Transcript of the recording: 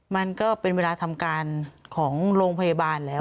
มันก็เป็นเวลาทำการของโรงพยาบาลแล้ว